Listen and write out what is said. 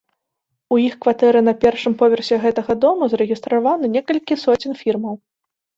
У іх кватэры на першым паверсе гэтага дому зарэгістравана некалькі соцень фірмаў!